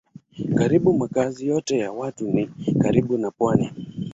Karibu makazi yote ya watu ni karibu na pwani.